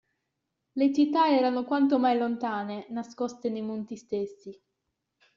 Le città erano quanto mai lontane, nascoste nei monti stessi.